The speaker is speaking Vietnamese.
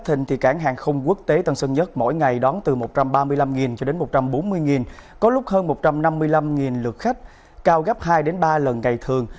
thịnh thì cảng hàng không quốc tế tân sơn nhất mỗi ngày đón từ một trăm ba mươi năm cho đến một trăm bốn mươi có lúc hơn một trăm năm mươi năm lượt khách cao gấp hai đến ba lần ngày thường